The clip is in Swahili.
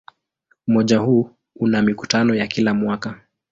Umoja huu una mikutano ya kila mwaka.